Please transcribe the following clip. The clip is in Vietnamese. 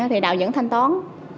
thì đào vẫn thanh toán